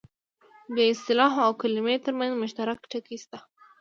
د اصطلاح او کلمې ترمنځ مشترک ټکي شته